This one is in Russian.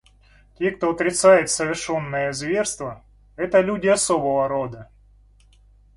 Те, кто отрицает совершенные зверства, — это люди особого рода.